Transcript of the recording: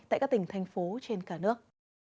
tại các tỉnh thành phố trên cả nước